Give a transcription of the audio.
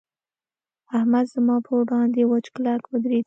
احمد زما پر وړاند وچ کلک ودرېد.